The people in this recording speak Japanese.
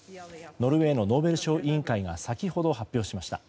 ノルウェーのノーベル賞委員会が先ほど発表しました。